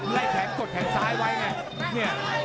ได้แขนกดแขนซ้ายไว้ไง